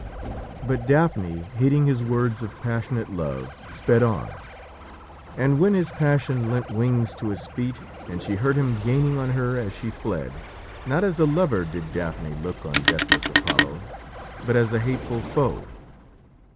But Daphne, hating his words of passionate love, sped on. And when his passion lent wings to his feet and she heard him gaining on her as she fled, not as a lover did Daphne look on deathless Apollo, but as a hateful foe.